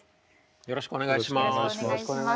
よろしくお願いします。